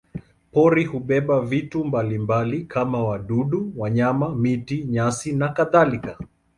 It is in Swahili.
Pori hubeba vitu mbalimbali kama wadudu, wanyama, miti, nyasi nakadhalika.